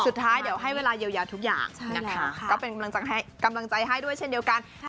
สุดท้ายเดี๋ยวให้เวลาเยียวยาทุกอย่างนะคะก็เป็นกำลังใจให้ด้วยเช่นเดียวกัน